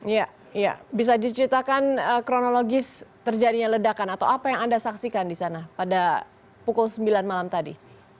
iya bisa diceritakan kronologis terjadinya ledakan atau apa yang anda saksikan di sana pada pukul sembilan malam tadi